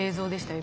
今。